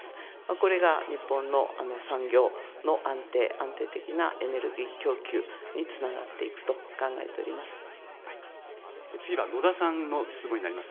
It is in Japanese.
これが日本の産業の安定、安定的なエネルギー供給につながってい次は、野田さんの質問になります。